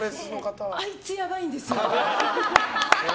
あいつやばいんですよ。